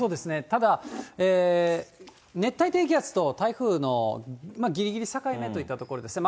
ただ、熱帯低気圧と台風のぎりぎり境目といったところですね。